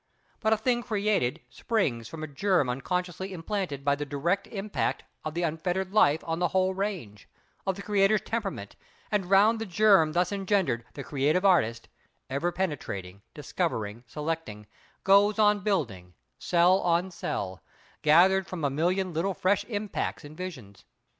But a thing created springs from a germ unconsciously implanted by the direct impact of unfettered life on the whole range, of the creator's temperament; and round the germ thus engendered, the creative artist—ever penetrating, discovering, selecting—goes on building cell on cell, gathered from a million little fresh impacts and visions.